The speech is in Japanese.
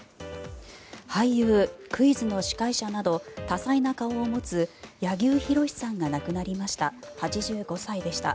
俳優、クイズの司会者など多彩な顔を持つ柳生博さんが亡くなりました。